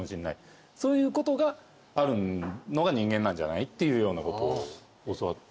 そういうことがあるのが人間なんじゃない？っていうようなことを教わって。